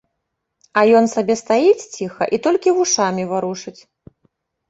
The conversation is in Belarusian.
А ён сабе стаіць ціха і толькі вушамі варушыць.